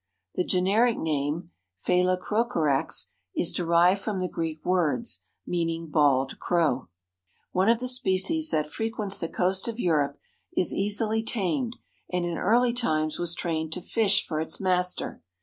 The generic name Phalacrocorax is derived from the Greek words, meaning bald crow. One of the species that frequents the coast of Europe is easily tamed and in early times was trained to fish for its master.